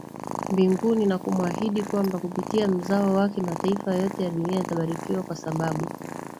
Mbinguni na kumwahidi kwamba kupitia mzao wake mataifa yote ya dunia yatabarikiwa kwa sababu